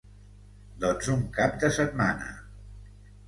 Doncs un cap de setmana.